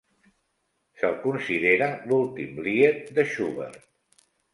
Se'l considera l'últim lied de Schubert.